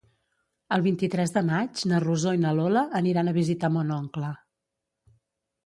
El vint-i-tres de maig na Rosó i na Lola aniran a visitar mon oncle.